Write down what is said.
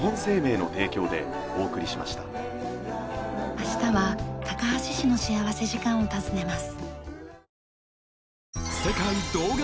明日は高梁市の幸福時間を訪ねます。